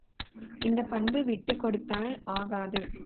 இந்தப் பண்பு விட்டுக் கொடுத்தல் ஆகாது.